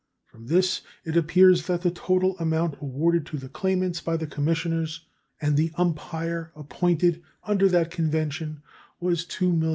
From this it appears that the total amount awarded to the claimants by the commissioners and the umpire appointed under that convention was $2,026,079.